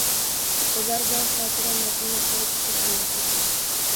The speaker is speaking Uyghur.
ئۇلار بىلەن خاتىرە مەزمۇنى ھەققىدە پىكىر ئالماشتۇردۇم.